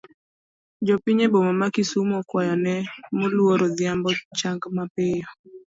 Jopiny e bomani ma kisumu okuayo ne moluor Odhiambo chang mapiyo.